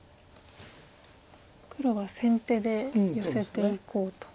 黒は先手でヨセていこうと。